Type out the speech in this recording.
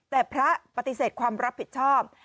แต่พระปฏิเสธความรับผิดชอบ